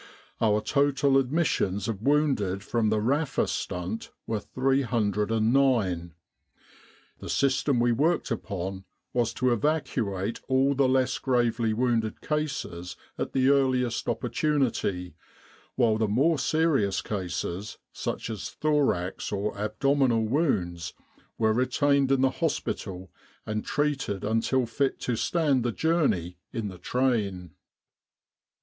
Our total admissions of wounded from the Rafa stunt were 309. The system we worked upon was to evacuate all the less gravely wounded cases at the earliest opportunity, while the more serious cases, such as thorax or abdominal wounds, were retained in the hospital and treated until fit to stand the journey in the train."